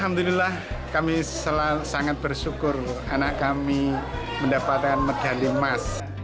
alhamdulillah kami sangat bersyukur anak kami mendapatkan medali emas